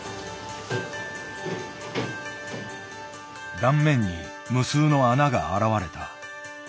断面に無数の穴が現れた。